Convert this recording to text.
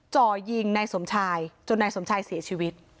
จ่อยิงนายสมชายจนนายสมชายเสียชีวิต